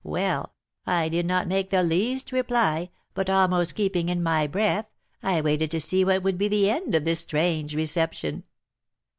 Well, I did not make the least reply, but, almost keeping in my breath, I waited to see what would be the end of this strange reception.